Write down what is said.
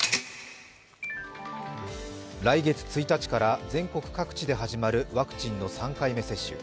来月１日から全国各地で始まるワクチンの３回目接種。